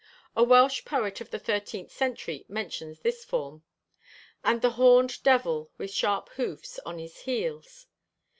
A Welsh poet of the thirteenth century mentions this form: And the horned devil, With sharp hoofs On his heels.